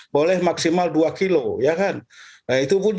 boleh maksimal dua kilo ya kan nah itu pun juga orang yang menangani